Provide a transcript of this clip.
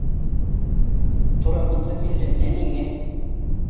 Тура бында килдем, ә нигә?